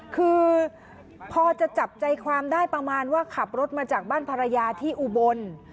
คือพอจะจับใจความได้ประมาณว่าขับรถมาจากบ้านภรรยาที่อุบล